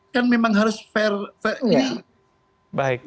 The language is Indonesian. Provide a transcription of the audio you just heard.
kan memang harus fair